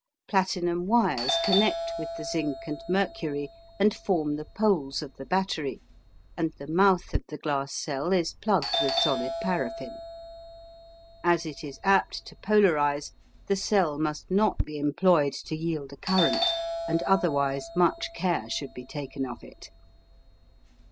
Platinum wires connect with the zinc and mercury and form the poles of the battery, and the mouth of the glass cell is plugged with solid paraffin. As it is apt to polarise, the cell must not be employed to yield a current, and otherwise much care should be taken of it.